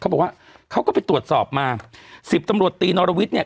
เขาบอกว่าเขาก็ไปตรวจสอบมาสิบตำรวจตรีนอลวิทย์เนี่ย